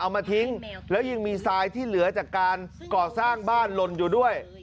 เอามาทิ้งแล้วยังมีทรายที่เหลือจากการก่อสร้างบ้านลนอยู่ด้วย